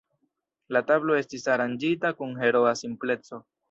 La tablo estis aranĝita kun heroa simpleco.